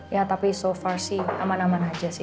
ya tapi so far sih aman aman aja sih